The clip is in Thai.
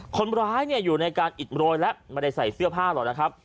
คนร้ายอยู่ในการอิดโรยแล้วไม่ได้ใส่เสื้อผ้าหรอกนะครับ